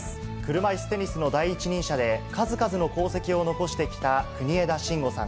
車いすテニスの第一人者で、数々の功績を残してきた国枝慎吾さん。